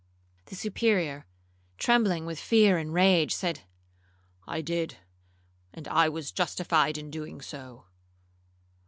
The Superior, trembling with fear and rage, said, 'I did; and I was justified in doing so.'